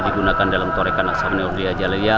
digunakan dalam torekan aksabani orlia jaliliya